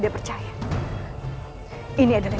kau pasti berbohong